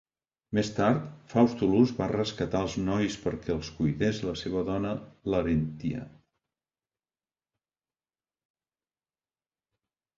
Més tard, Faustulus va rescatar els nois perquè els cuidés la seva dona Larentia.